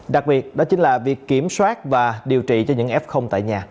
đặc biệt đó chính là việc kiểm soát và điều trị cho những f tại nhà